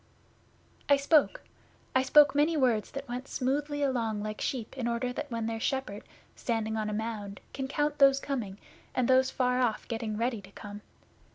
'I spoke. I spoke many words that went smoothly along like sheep in order when their shepherd, standing on a mound, can count those coming, and those far off getting ready to come.